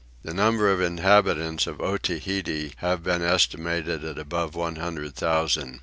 The number of inhabitants at Otaheite have been estimated at above one hundred thousand.